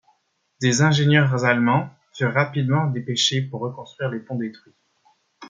Des ingénieurs allemands furent rapidement dépêchés pour reconstruire les ponts détruits.